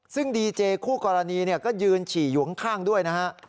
ซึ่งดีเจคู่กรณีก็ยืนฉี่อยู่ข้างด้วยนะฮะ